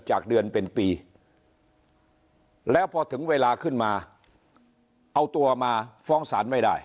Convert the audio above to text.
จากเดือนเป็นปีแล้วพอถึงเวลาขึ้นมาเอาตัวมาฟ้องศาลไม่ได้